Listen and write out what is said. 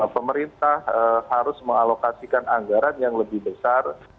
pemerintah harus mengalokasikan anggaran yang lebih besar